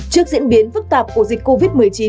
trước diễn biến phức tạp của dịch covid một mươi chín